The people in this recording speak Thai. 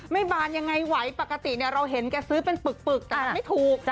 บานยังไงไหวปกติเราเห็นแกซื้อเป็นปึกแต่มันไม่ถูก